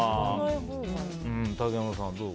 竹山さん、どう？